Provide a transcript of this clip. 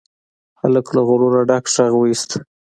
هلک له غروره ډک غږ واېست.